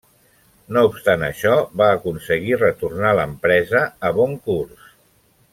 No obstant això, va aconseguir retornar l'empresa a bon curs.